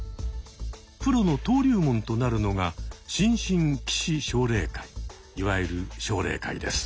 プロの登竜門となるのが新進棋士奨励会いわゆる奨励会です。